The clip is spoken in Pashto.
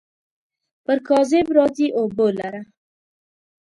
پر کاذب راځي اوبو لره.